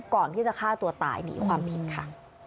ก่อนที่จะฆ่าตัวตายหนีความผิดค่ะ